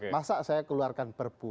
masa saya keluarkan perpu